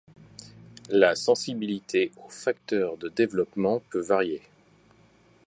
La sensibilité aux facteurs de développement peut varier.